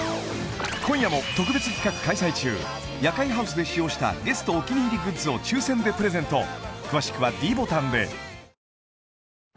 今夜も特別企画開催中夜会ハウスで使用したゲストお気に入りグッズを抽選でプレゼント